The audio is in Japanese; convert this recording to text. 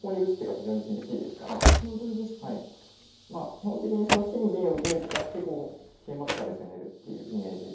基本的にその金銀を受けに使って桂馬とかで攻めるっていうイメージで。